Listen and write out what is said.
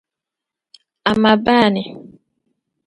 A ma baa ni?